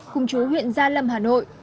cùng chú huyện gia lâm hà nội